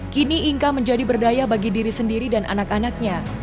kini inka menjadi berdaya bagi diri sendiri dan anak anaknya